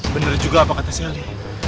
bener juga apa kata sally